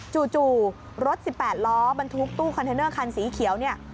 จู่รถ๑๘ล้อบรรทุกตู้คอนเทนเนอร์คันสีเขียวเนี่ย